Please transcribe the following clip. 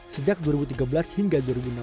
sejak dua ribu tiga belas hingga dua ribu enam belas